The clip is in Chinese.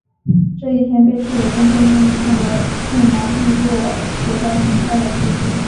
这一天被视为真正意义上的圣马力诺国家存在的起始。